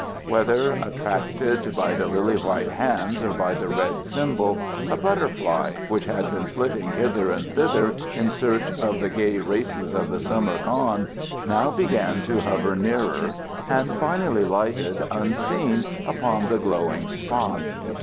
Whether attracted by the lily white hands or by the red symbol, a butterfly, which had been flitting hither and thither in search of the gay races of the summer gone, now began to hover nearer, and finally lighted unseen upon the glowing spot.